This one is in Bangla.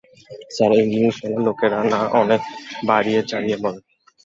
স্যার, এই নিউজওয়ালা লোকেরা না অনেক বাড়িয়ে-চাড়িয়ে বলে।